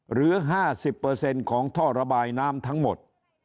หรือ๕๐ของท่อระบายน้ำทั้งหมด